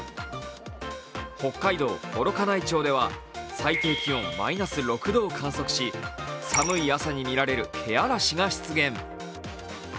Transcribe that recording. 北海道幌加内町では最低気温マイナス６度を観測し寒い朝にみられる気嵐が出現。